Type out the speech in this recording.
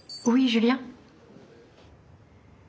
「ジュリアン？」。